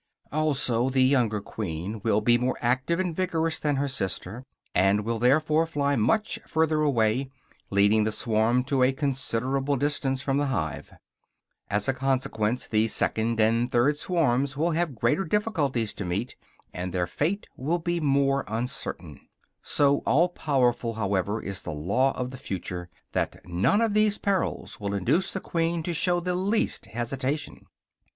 Also, the younger queen will be more active and vigorous than her sister, and will therefore fly much further away, leading the swarm to a considerable distance from the hive. As a consequence, these second and third swarms will have greater difficulties to meet, and their fate will be more uncertain. So all powerful, however, is the law of the future, that none of these perils will induce the queen to show the least hesitation.